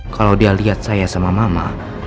kalau dia lihat saya sama mama